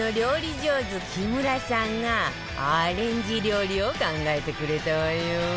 上手木村さんがアレンジ料理を考えてくれたわよ